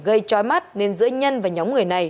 gây trói mắt nên giữa nhân và nhóm người này